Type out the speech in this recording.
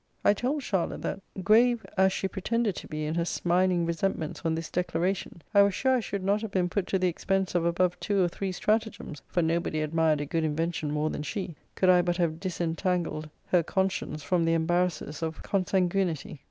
I told Charlotte, that, grave as she pretended to be in her smiling resentments on this declaration, I was sure I should not have been put to the expense of above two or three stratagems, (for nobody admired a good invention more than she,) could I but have disentangled her conscience from the embarrasses of consanguinity.